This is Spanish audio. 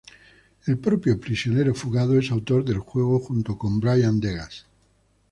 El propio prisionero fugado es autor del juego junto con Brian Degas.